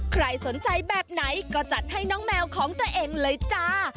ใครสนใจแบบไหนก็จัดให้น้องแมวของตัวเองเลยจ้า